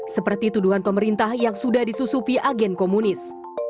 seperti tuduhan pemerintah yang sudah disusupi agen komunis